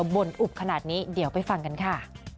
บ่นอุบขนาดนี้เดี๋ยวไปฟังกันค่ะ